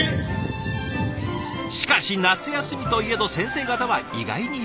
しかし夏休みといえど先生方は意外に忙しい。